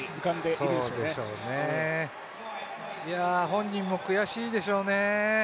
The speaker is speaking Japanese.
本人も悔しいでしょうね。